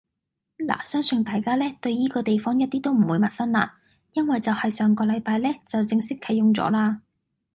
拿相信大家呢，對依個地方一啲都唔會陌生啦，因為就係上個禮拜呢就正式啟用咗啦